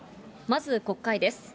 まず国会です。